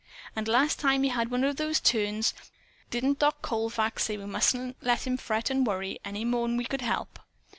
And, last time he had one of those 'turns,' didn't Doc Colfax say we mustn't let him fret and worry any more'n we could help?